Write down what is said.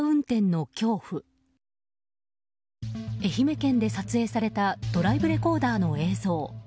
愛媛県で撮影されたドライブレコーダーの映像。